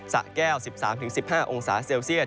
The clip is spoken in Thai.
สะแก้ว๑๓๑๕องศาเซลเซียต